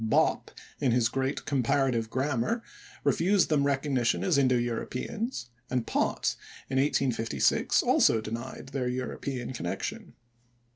Bopp, in his great Comparative Grammar, refused them recognition as Indo Europeans, and Pott in 1856 also denied their European connection.